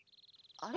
あれ？